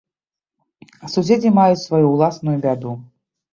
Суседзі маюць сваю ўласную бяду.